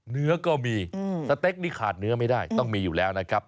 เนื้อก็มีสเต็กนี่ขาดเนื้อไม่ได้ต้องมีอยู่แล้วนะครับ